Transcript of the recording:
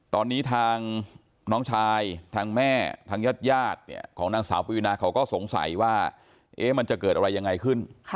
ตอนนี้ทางน้องชายทางแม่ทางญาติของนางสาวปวีนาเขาก็สงสัยว่ามันจะเกิดอะไรยังไงขึ้น